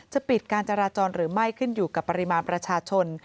ปิดการจราจรหรือไม่ขึ้นอยู่กับปริมาณประชาชน